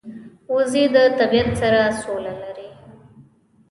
وزې د طبیعت سره سوله لري